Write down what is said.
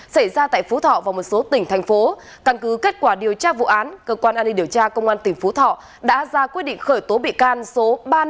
xảy ra tại phú thọ và một số tỉnh thành phố căn cứ kết quả điều tra vụ án cơ quan an ninh điều tra công an tỉnh phú thọ đã ra quyết định khởi tố bị can số ba trăm năm mươi tám